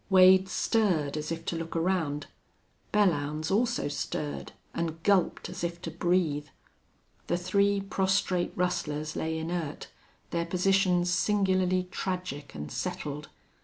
Wade stirred, as if to look around. Belllounds also stirred, and gulped, as if to breathe. The three prostrate rustlers lay inert, their positions singularly tragic and settled.